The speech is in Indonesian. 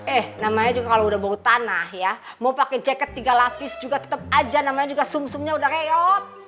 eh namanya juga kalau udah bau tanah ya mau pakai jaket tiga lapis juga tetap aja namanya juga sum sumnya udah reot